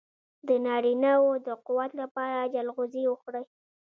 د نارینه وو د قوت لپاره چلغوزي وخورئ